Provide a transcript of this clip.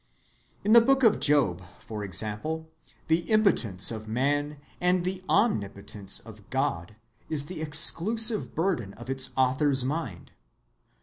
In the Book of Job, for example, the impotence of man and the omnipotence of God is the exclusive burden of its author's mind.